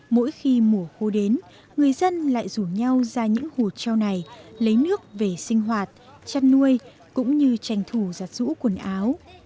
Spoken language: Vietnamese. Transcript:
mỗi khi mùa khô đến người dân lại rủ nhau ra những hồ treo này lấy nước về sinh hoạt chăn nuôi cũng như tranh thủ giặt rũ quần áo